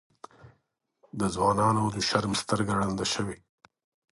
د ځوانانو د شرم سترګه ړنده شوې.